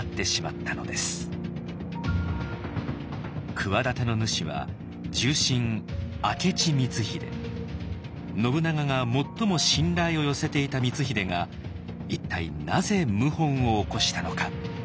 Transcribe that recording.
企ての主は重臣信長が最も信頼を寄せていた光秀が一体なぜ謀反を起こしたのか。